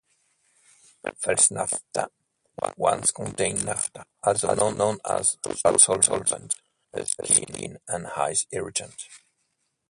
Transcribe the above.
Fels-Naptha once contained naptha, also known as "Stoddard solvent," a skin and eye irritant.